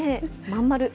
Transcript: まん丸。